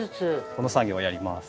この作業をやります。